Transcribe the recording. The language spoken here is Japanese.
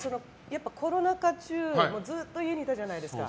コロナ禍中ずっと家にいたじゃないですか。